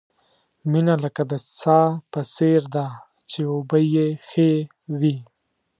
مینه لکه د څاه په څېر ده، چې اوبه یې ښې وي.